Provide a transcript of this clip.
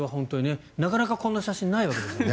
なかなかこんな写真ないわけですからね。